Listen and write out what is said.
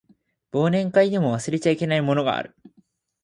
忘年会でも忘れちゃいけないものがある